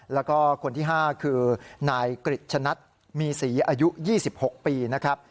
แล้วก็คนที่๕คือนายกริจชนัดมีศรีอายุ๒๖ปีนะครับ